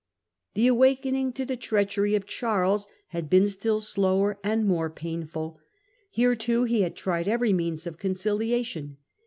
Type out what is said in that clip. The awakening to the treachery of Charles had been still slower and more painful. Here too he had tried every means of conciliation.